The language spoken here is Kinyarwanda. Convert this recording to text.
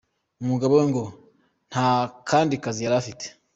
Umugabo we ngo nta kandi kazi yari afite.